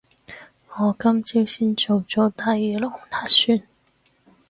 我今朝先做咗第二輪核酸